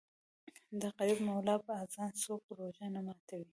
د غریب مولا په اذان څوک روژه نه ماتوي